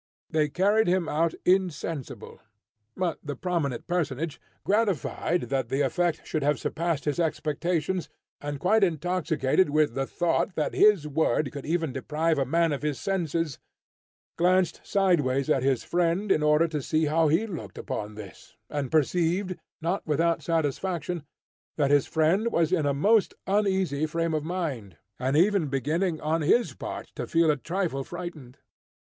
They carried him out insensible. But the prominent personage, gratified that the effect should have surpassed his expectations, and quite intoxicated with the thought that his word could even deprive a man of his senses, glanced sideways at his friend in order to see how he looked upon this, and perceived, not without satisfaction, that his friend was in a most uneasy frame of mind, and even beginning on his part, to feel a trifle frightened.